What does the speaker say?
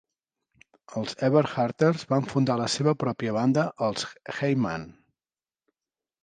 Els Eberharters van fundar llavors la seva pròpia banda, els Hey Mann!